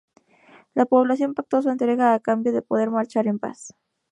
La población pactó su entrega a cambio de poder marchar en paz.